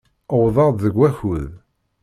Uwḍeɣ-d deg wakud.